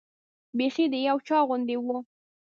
بیخي د یو چا غوندې وه.